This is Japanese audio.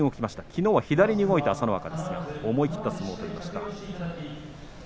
きのうは左に動いた朝乃若ですが思い切った相撲を取りました。